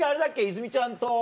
泉ちゃんと。